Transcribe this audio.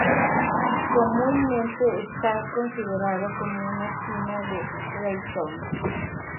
Comúnmente está considerado como una cima del Breithorn.